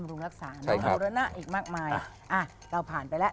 เราภารไปแล้ว